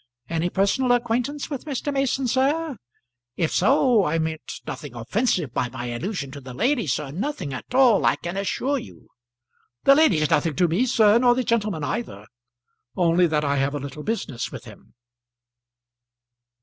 Any personal acquaintance with Mr. Mason, sir? If so, I meant nothing offensive by my allusion to the lady, sir; nothing at all, I can assure you." "The lady's nothing to me, sir; nor the gentleman either; only that I have a little business with him."